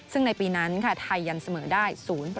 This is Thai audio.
ซึ่งในปีนั้นค่ะไทยยันเสมอได้๐